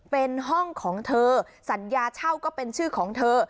เป็นห้องของเธอสัญญาเช่าก็เป็นชื่อของเธอ